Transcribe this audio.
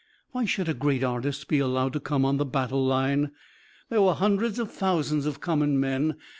Why should a great artist be allowed to come on the battle line? There were hundreds of thousands of common men.